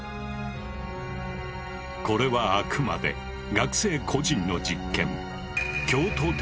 これはあくまで学生個人の実験。